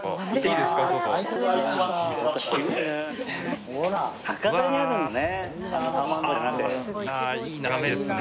いやぁいい眺めですね。